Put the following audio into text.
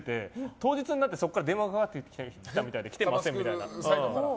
当日になってそこから電話かかってきたみたいで。来てません、みたいな。